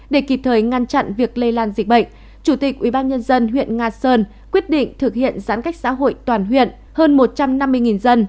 để kịp thời ngăn chặn việc lây lan dịch bệnh chủ tịch ubnd huyện nga sơn quyết định thực hiện giãn cách xã hội toàn huyện hơn một trăm năm mươi dân